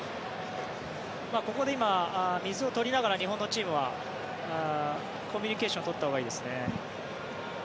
ここで今、水を取りながら日本のチームはコミュニケーションを取ったほうがいいですね。